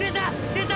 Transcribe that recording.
出た！